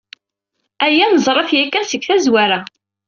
Aya neẓra-t yakan seg tazwara.